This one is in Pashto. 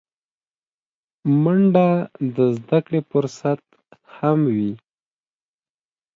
منډه د زدهکړې فرصت هم وي